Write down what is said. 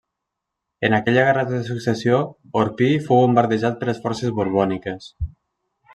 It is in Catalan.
En aquella guerra de Successió Orpí fou bombardejat per les forces borbòniques.